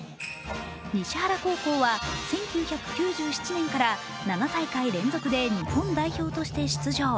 西原高校は１９９７年から７大会連続で日本代表として出場。